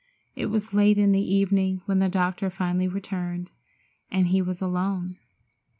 It was late in the evening when the doctor finally returned, and he was alone.